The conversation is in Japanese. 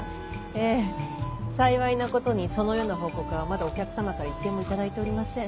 ええ幸いなことにそのような報告はまだお客さまから一件も頂いておりません。